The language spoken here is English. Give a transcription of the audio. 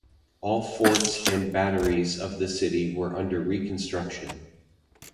All forts and batteries of the city were under reconstruction.